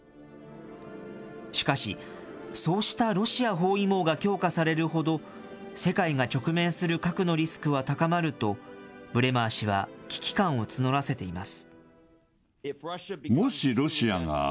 しかし、そうしたロシア包囲網が強化されるほど、世界が直面する核のリスクは高まると、ブレマー氏は危機感を募らせています。